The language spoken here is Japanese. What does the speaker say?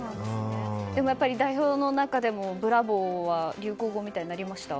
やっぱり代表の中でもブラボー！は流行語みたいになりました？